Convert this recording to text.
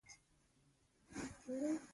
خور له ټوکو سره مینه لري.